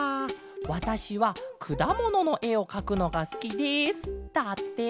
わたしはくだもののえをかくのがすきです」だって。